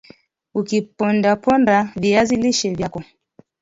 ukipondeponde viazi lishe vyako